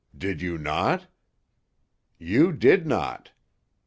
Did you not? You did not!